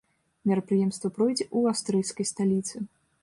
Мерапрыемства пройдзе ў аўстрыйскай сталіцы.